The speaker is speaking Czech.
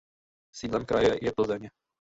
Sídlem kraje je Plzeň.